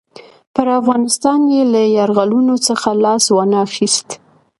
پر افغانستان یې له یرغلونو څخه لاس وانه خیست.